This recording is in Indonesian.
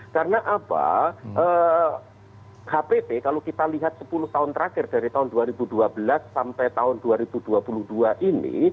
karena apa hpt kalau kita lihat sepuluh tahun terakhir dari tahun dua ribu dua belas sampai tahun dua ribu dua puluh dua ini